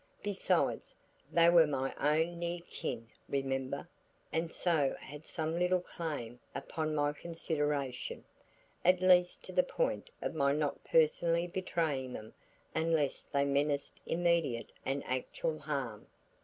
Besides, they were my own near kin, remember, and so had some little claim upon my consideration, at least to the point of my not personally betraying them unless they menaced immediate and actual harm.